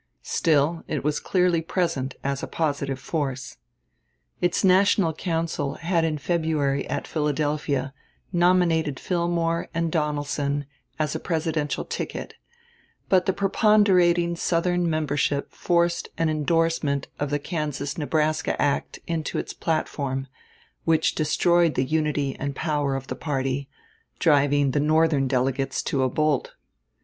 Still it was clearly present as a positive force. Its national council had in February at Philadelphia nominated Fillmore and Donelson as a presidential ticket; but the preponderating Southern membership forced an indorsement of the Kansas Nebraska act into its platform, which destroyed the unity and power of the party, driving the Northern delegates to a bolt.